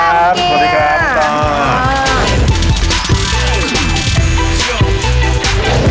สวัสดีครับขอบคุณครับ